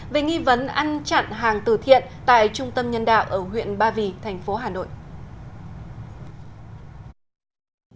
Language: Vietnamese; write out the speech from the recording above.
về nghi vấn ăn chặn hàng từ thiện tại trung tâm nhân đạo ở huyện ba vì thành phố hà nội